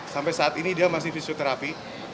sampai saat ini dia masih fisioterapi